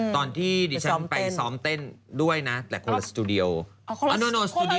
ตอนที่ดิฉันไปซ้อมเต้นด้วยนะแต่คนละสตูดิโอสตูดิ